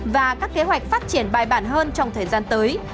và các kế hoạch phát triển bài bản hơn trong thời gian tới